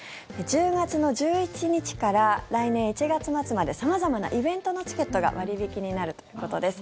１０月の１１日から来年１月末まで様々なイベントのチケットが割引になるということです。